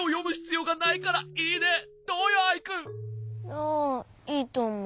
ああいいとおもう。